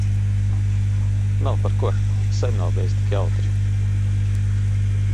Nav par ko. Sen nav bijis tik jautri.